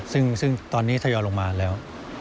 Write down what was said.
ซึ่งตอนนี้ทยอยลงมาแล้ว